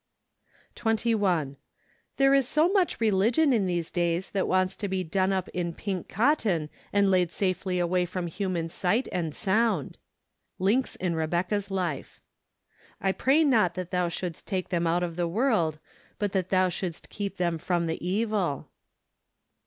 21. There is so muen religion in these days that wants to be done up in pink cotton and laid safely away from human sight and sound. Links in Rebecca's Life. " Tpray not that thou shouldst take them out oj the world, but that thou shouldst keep them from the evil."